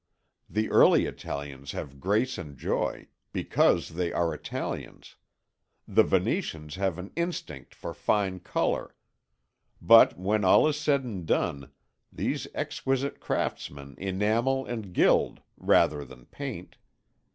The early Italians have grace and joy, because they are Italians. The Venetians have an instinct for fine colour. But when all is said and done these exquisite craftsmen enamel and gild rather than paint.